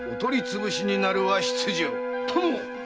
殿！